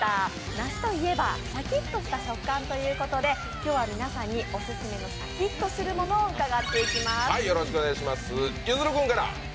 梨といえばシャキッとした食感ということで今日は、皆さんにオススメのシャキッとするものを伺っていきます。